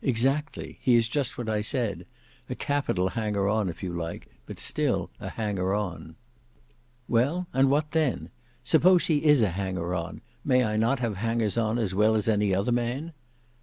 "Exactly; he is just what I said, a capital hanger on if you like, but still a hanger on." "Well, and what then! Suppose he is a hanger on; may I not have hangers on as well as any other man?"